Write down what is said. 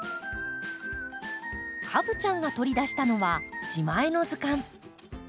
カブちゃんが取り出したのは自前の図鑑。